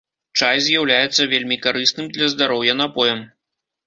Чай з'яўляецца вельмі карысным для здароўя напоем.